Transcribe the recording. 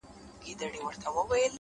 د زړه صفا د سکون سرچینه ده’